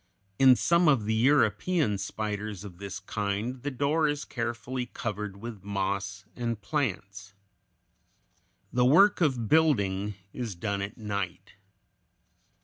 In some of the European spiders of this kind the door is carefully covered with moss and plants. The work of building is done at night.